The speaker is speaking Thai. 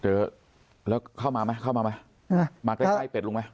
เจอแล้วเข้ามาไหมมาใส่เป็ดลุงไหม